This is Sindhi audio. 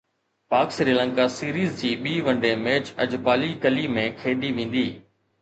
پاڪ سريلنڪا سيريز جي ٻي ون ڊي ميچ اجپالي ڪلي ۾ کيڏي ويندي